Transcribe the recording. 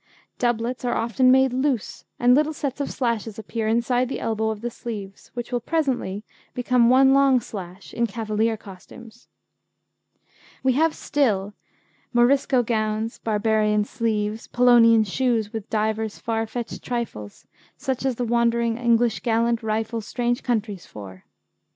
Doublets are often made loose, and little sets of slashes appear inside the elbow of the sleeves, which will presently become one long slash in Cavalier costumes. We have still: 'Morisco gowns, Barbarian sleeves, Polonian shoes, with divers far fetcht trifles; Such as the wandering English galant rifles Strange countries for.'